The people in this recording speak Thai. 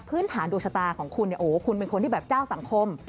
พื้นฐานดูชตาของคุณคุณเป็นคนที่แบบเจ้าสังคม